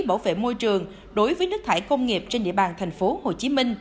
bảo vệ môi trường đối với nước thải công nghiệp trên địa bàn tp hcm